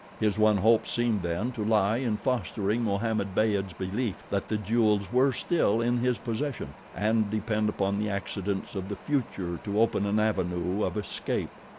His one hope seemed, then, to lie in fostering Mohammed Beyd's belief that the jewels were still in his possession, and depend upon the accidents of the future to open an avenue of escape.